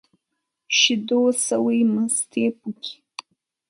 شيدو سوى ، مستې پوکي.